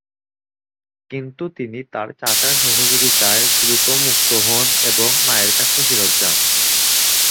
কিন্তু তিনি তার চাচার সহযোগিতায় দ্রুত মুক্ত হন এবং মায়ের কাছে ফেরত যান।